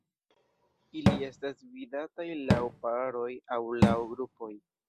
Ili estas vidataj laŭ paroj aŭ laŭ grupoj.